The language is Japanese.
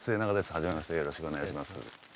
はじめましてよろしくお願いします。